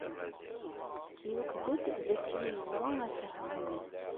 Iwekked-d dakken yeẓra asehwu-nni.